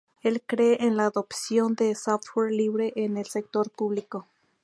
Él cree en la adopción de software libre en el sector público.